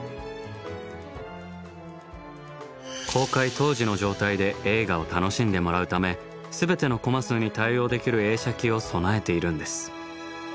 公開当時の状態で映画を楽しんでもらうため全てのコマ数に対応できる映写機を備えているんです。